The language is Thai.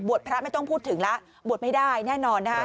พระไม่ต้องพูดถึงแล้วบวชไม่ได้แน่นอนนะคะ